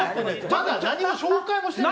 まだ何も紹介もしていない。